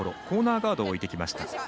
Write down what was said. コーナーガードを置いてきました。